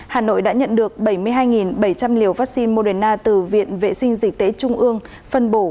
hà nội đã nhận được bảy mươi hai bảy trăm linh liều vaccine moderna từ viện vệ sinh dịch tễ trung ương phân bổ